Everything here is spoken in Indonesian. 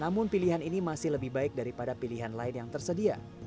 namun pilihan ini masih lebih baik daripada pilihan lain yang tersedia